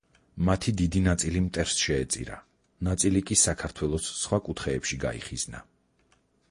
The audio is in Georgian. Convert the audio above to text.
მათი დიდი ნაწილი მტერს შეეწირა, ნაწილი კი საქართველოს სხვა კუთხეებში გაიხიზნა.